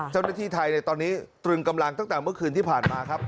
เจ้าหน้าที่ไทยในตอนนี้ตรึงกำลังตั้งแต่เมื่อคืนที่ผ่านมาครับ